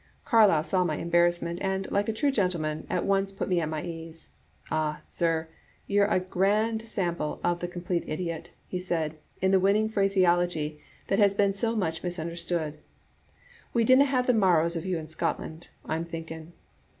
Carlyle saw my embarrassment, and, like a true gentleman, at once put me at my ease. *Ay, sir, you're a grand sam ple of the complete idiot,' he said, in the winning phraseology that has been so much misunderstood; 'we dinna have the marrows of you in Scotland, I'm think ing.